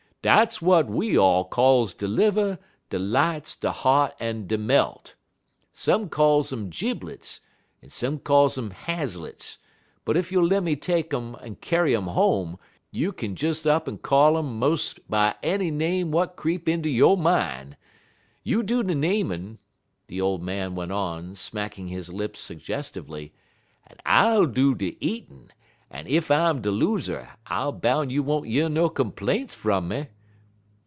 Dats w'at we all calls de liver, de lights, de heart, en de melt. Some calls um jiblets en some calls um hasletts, but ef you'll lemme take um en kyar um home, you kin des up en call um mos' by any name w'at creep inter yo' min'. You do de namin'," the old man went on, smacking his lips suggestively, "en I'll do de eatin', en ef I'm de loser, I boun' you won't year no complaints fum me.